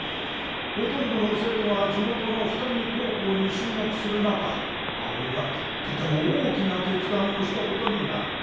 ほとんどの生徒が地元の双海高校に進学する中青井はとても大きな決断をしたことになる。